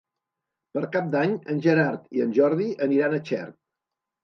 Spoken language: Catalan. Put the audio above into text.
Per Cap d'Any en Gerard i en Jordi aniran a Xert.